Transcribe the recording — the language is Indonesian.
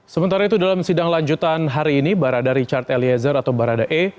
sementara itu dalam sidang lanjutan hari ini barada richard eliezer atau baradae